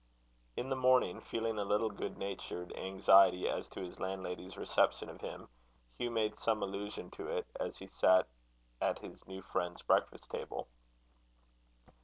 In the morning, feeling a little good natured anxiety as to his landlady's reception of him, Hugh made some allusion to it, as he sat at his new friend's breakfast table.